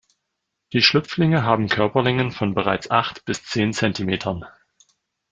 Die Schlüpflinge haben Körperlängen von bereits acht bis zehn Zentimetern.